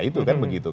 itu kan begitu